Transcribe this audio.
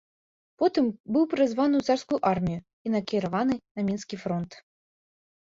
Потым быў прызваны ў царскую армію і накіраваны на мінскі фронт.